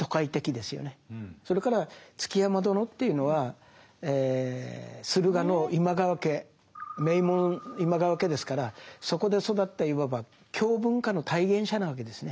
それから築山殿というのは駿河の今川家名門今川家ですからそこで育ったいわば京文化の体現者なわけですね。